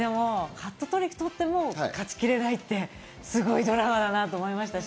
ハットトリックとっても勝ちきれないって、すごいドラマだなって思いました。